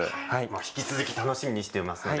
引き続き楽しみにしていますので。